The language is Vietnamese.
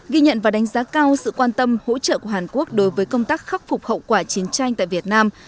ghi nhận và đánh giá cao sự quan tâm hỗ trợ của hàn quốc đối với công tác khắc phục hậu quả chiến tranh tại việt nam